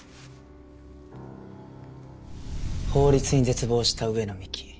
法律に絶望した上野美貴。